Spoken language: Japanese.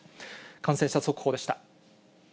感染者速報でした。